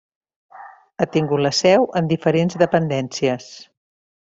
Ha tingut la seu en diferents dependències.